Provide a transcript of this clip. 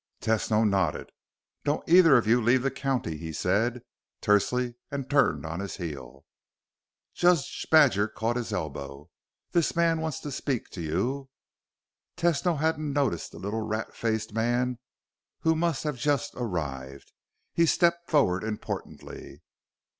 Tesno nodded. "Don't either of you leave the county," he said tersely and turned on his heel. Judge Badger caught his elbow. "This man wants to speak to you." Tesno hadn't noticed the little rat faced man, who must have just arrived. He stepped forward importantly.